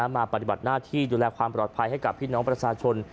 ปฏิบัติหน้าที่ดูแลความปลอดภัยให้กับพี่น้องประชาชน